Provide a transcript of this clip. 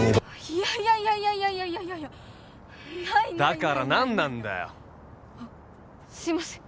いやいやいやいやいやいやいやいやないないだから何なんだよあっすいません